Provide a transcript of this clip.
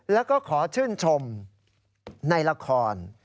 แล้วก็ขอชื่นชมในละคร